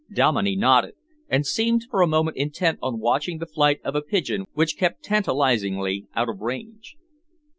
Dominey nodded, and seemed for a moment intent on watching the flight of a pigeon which kept tantalisingly out of range.